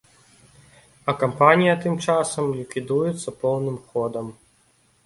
А кампанія тым часам ліквідуецца поўным ходам!